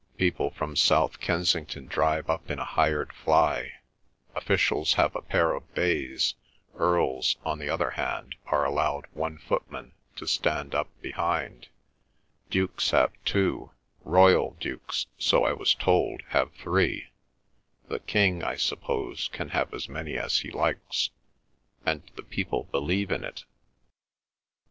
People from South Kensington drive up in a hired fly; officials have a pair of bays; earls, on the other hand, are allowed one footman to stand up behind; dukes have two, royal dukes—so I was told—have three; the king, I suppose, can have as many as he likes. And the people believe in it!"